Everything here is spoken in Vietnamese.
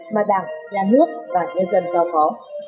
mà đảng nhà nước và nhân dân do khó